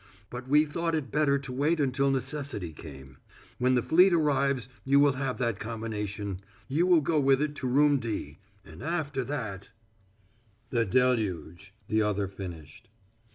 But we thought it better to wait until necessity came. When the fleet arrives you will have that combination; you will go with it to Room D, and after that " "The deluge," the other finished.